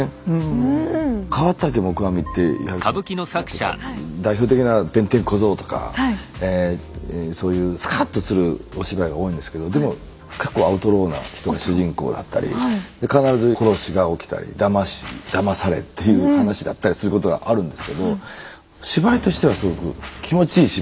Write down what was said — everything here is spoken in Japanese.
河竹黙阿弥っていわゆるその何て言うか代表的な「弁天小僧」とかそういうすかっとするお芝居が多いんですけどでも結構アウトローな人が主人公だったり必ず殺しが起きたりだましだまされっていう話だったりすることがあるんですけど芝居としてはすごく気持ちいい芝居に感じるんですね。